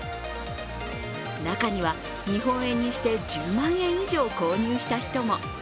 中には、日本円にして１０万円以上購入した人も。